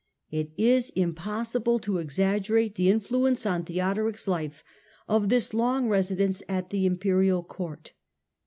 It is impossible to exaggerate the influence on Theo doric's life of this long residence at the Imperial Court.